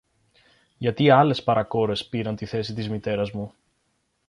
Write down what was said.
Γιατί άλλες παρακόρες πήραν τη θέση της μητέρας μου